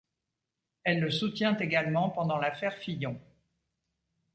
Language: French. Elle le soutient également pendant l'affaire Fillon.